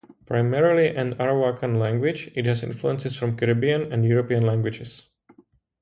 Primarily an Arawakan language, it has influences from Caribbean and European languages.